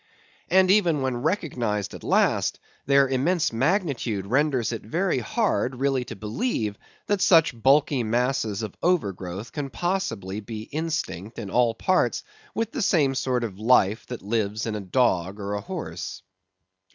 And even when recognised at last, their immense magnitude renders it very hard really to believe that such bulky masses of overgrowth can possibly be instinct, in all parts, with the same sort of life that lives in a dog or a horse.